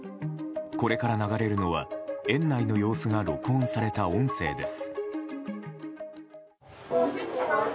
これから流れるのは園内の様子が録音された音声です。